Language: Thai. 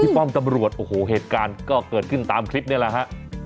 ป้อมตำรวจโอ้โหเหตุการณ์ก็เกิดขึ้นตามคลิปนี่แหละฮะ